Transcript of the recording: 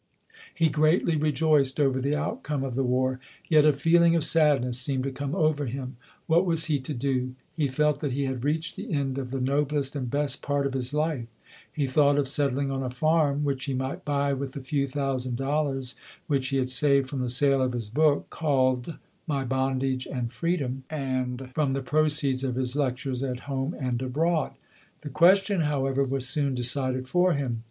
He greatly rejoiced over the outcome of the war, yet a feeling of sadness seemed to come over him. What was he to do? He felt that he had reached the end of the noblest and best part of his life. He thought of settling on a farm which he might buy with the few thousand dollars which he had saved from the sale of his book, called "My Bondage and Freedom", and from the pro ceeds of his lectures at home and abroad. The question, however, was soon decided for him.